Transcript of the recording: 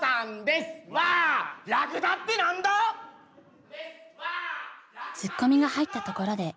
ツッコミが入ったところで笑顔に。